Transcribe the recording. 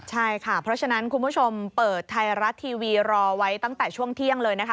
ใช่ค่ะเพราะฉะนั้นคุณผู้ชมเปิดไทยรัฐทีวีรอไว้ตั้งแต่ช่วงเที่ยงเลยนะคะ